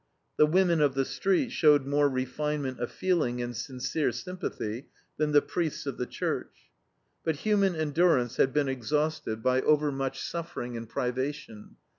The women of the street showed more refinement of feeling and sincere sympathy than the priests of the Church. But human endurance had been exhausted by overmuch suffering and privation.